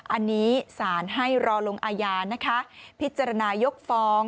อันนี้สารให้รอลงอาญานะคะพิจารณายกฟ้อง